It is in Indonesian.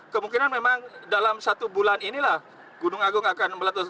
kemungkinan memang dalam satu bulan inilah gunung agung akan meletus